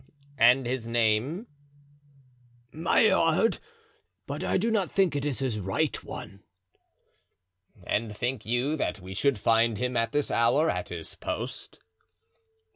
"And his name?" "Maillard; but I do not think it is his right one." "And think you that we should find him at this hour at his post?"